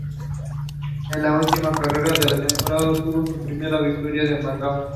En la última carrera de la temporada obtuvo su primera victoria, en Macao.